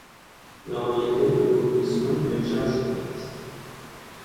لایحه به کمیسیون ارجاع شده است.